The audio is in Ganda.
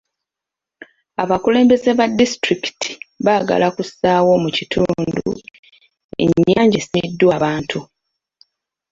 Abakulembeze ba disitulikiti baagala kussaawo mu kitundu ennyanja esimiddwa abantu.